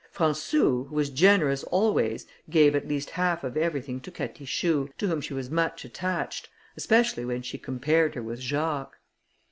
Françou, who was generous always gave at least half of everything to Catichou, to whom she was much attached, especially when she compared her with Jacques.